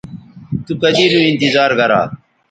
تو کدی نو انتظار گرا